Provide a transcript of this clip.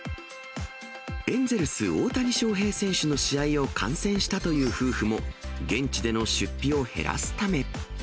エンゼルス、大谷翔平選手の試合を観戦したという夫婦も、現地での出費を減らすため。